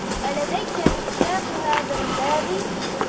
ألديك مفتاح هذا الباب؟